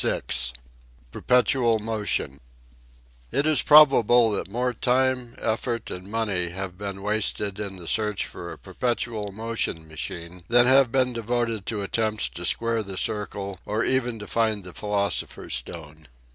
IV PERPETUAL MOTION T is probable that more time, effort, and money have been wasted in the search for a perpetual motion machine than have been devoted to at tempts to square the circle or even to find the philosopher's stone.